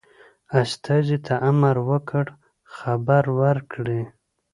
استازي ته امر وکړ خبر ورکړي.